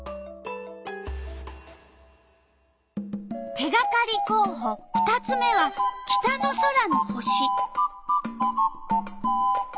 手がかりこうほ２つ目は北の空の星。